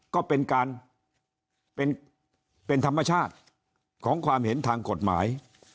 ก็เป็นการเป็นธรรมชาติของความเห็นทางกฎหมาย